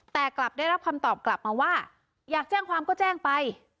แต่กลับได้รับคำตอบกลับมาว่าอยากแจ้งความก็แจ้งไป